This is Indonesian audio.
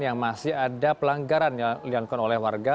yang masih ada pelanggaran yang dilakukan oleh warga